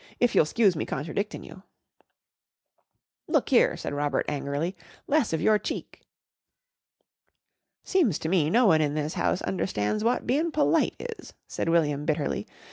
If you'll 'scuse me contradictin' you." "Look here!" said Robert angrily, "Less of your cheek!" "Seems to me no one in this house understands wot bein' p'lite is," said William bitterly.